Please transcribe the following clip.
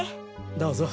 どうぞ。